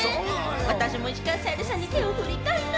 私も石川さゆりさんに手をふりたいな。